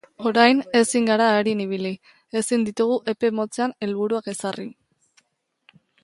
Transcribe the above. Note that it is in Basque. Orain ezin gara arin ibili, ezin ditugu epe motzean helburuak ezarri.